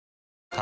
あ